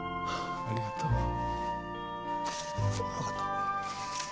ああありがとう。